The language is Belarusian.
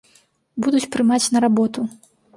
Будуць прымаць на работу.